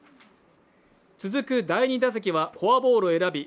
続く第２打席目はフォアボールを選び